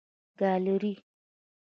ګالري